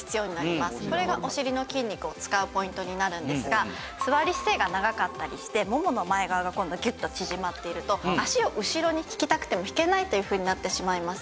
これがお尻の筋肉を使うポイントになるんですが座り姿勢が長かったりしてももの前側が今度ギュッと縮まっていると脚を後ろに引きたくても引けないというふうになってしまいます。